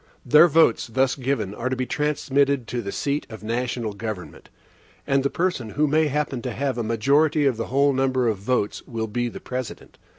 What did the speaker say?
Their votes, thus given, are to be transmitted to the seat of the national government, and the person who may happen to have a majority of the whole number of votes will be the President.